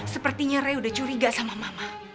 sepertinya ray udah curiga sama mama